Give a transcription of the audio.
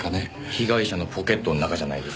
被害者のポケットの中じゃないですか？